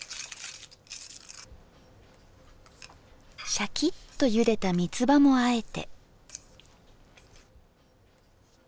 しゃきっとゆでた三つ葉もあえて。